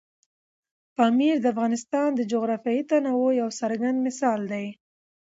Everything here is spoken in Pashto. پامیر د افغانستان د جغرافیوي تنوع یو څرګند مثال دی.